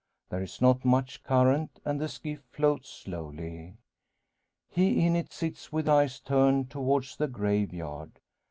There is not much current, and the skiff floats slowly. He in it sits with eyes turned towards the graveyard.